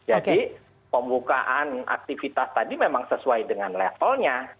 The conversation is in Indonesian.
jadi pembukaan aktivitas tadi memang sesuai dengan levelnya